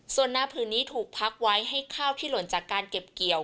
ส่วนนาผืนนี้ถูกพักไว้ให้ข้าวที่หล่นจากการเก็บเกี่ยว